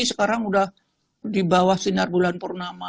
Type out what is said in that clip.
sekarang sudah di bawah sinar bulan purnama